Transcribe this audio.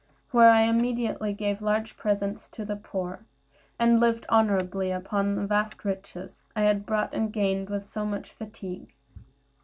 There I immediately gave large presents to the poor, and lived honorably upon the vast riches I had bought and gained with so much fatigue.